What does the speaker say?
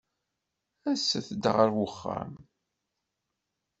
Aset-d ɣer wexxam.